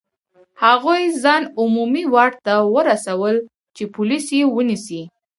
هغوی ځان عمومي واټ ته ورسول چې پولیس یې ونیسي.